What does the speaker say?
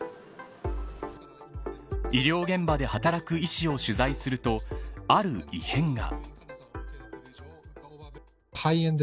医療現場で働く医師を取材するとある異変が。